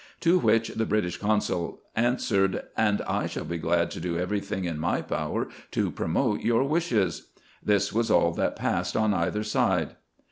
To which the British consul answered, " And I shall be glad to do every thing in my power to promote your wishes." This was all that passed on either side.